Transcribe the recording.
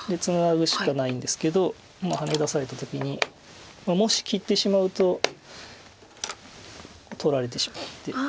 ツナぐしかないんですけどハネ出された時にもし切ってしまうと取られてしまって。